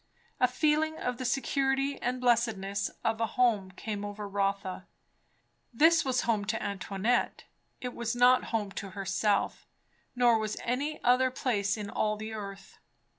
A feeling of the security and blessedness of a home came over Rotha. This was home to Antoinette. It was not home to herself, nor was any other place in all the earth.